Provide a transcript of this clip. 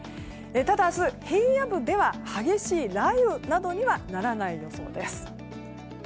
ただ、明日平野部では激しい雷雨などにはならない予想です。